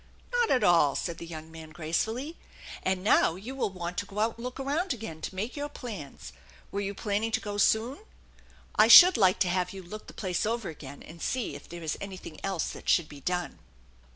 " Not at all," said the young man gracefully. "And now you will want to go out and look around again to make your plans. Were you planning to go soon ? I should like to have you look the place over again and see if there is anything 1 else that should be done."